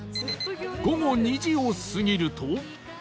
午後２時を過ぎると